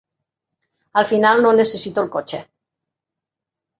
Al final no necessito el cotxe.